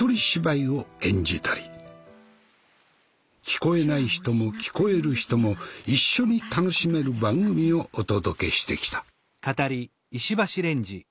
聞こえない人も聞こえる人も一緒に楽しめる番組をお届けしてきた。